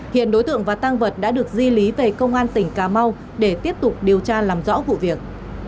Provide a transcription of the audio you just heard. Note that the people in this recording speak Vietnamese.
hiện đối tượng và tăng vật đã được di lý về công an tỉnh cà mau để tiếp tục điều tra làm rõ vụ việc